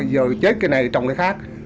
giờ chết cái này trồng cái khác